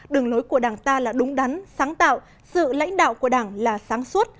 đường lối của đảng ta là đúng đắn sáng tạo sự lãnh đạo của đảng là sáng suốt